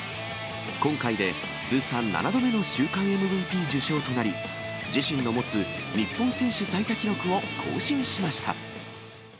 今回で通算７度目の週間ＭＶＰ受賞となり、自身の持つ日本選手最多記録を更新しました。